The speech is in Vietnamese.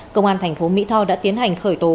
công an thành phố mỹ tho đã tiến hành khởi tố